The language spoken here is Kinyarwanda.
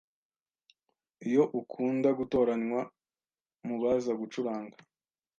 iyo ukunda gutoranywa mu baza gucuranga